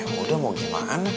eh udah mau gimana